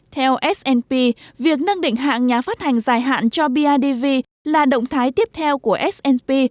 theo sp việc nâng định hạng nhà phát hành dài hạn cho bidv là động thái tiếp theo của s p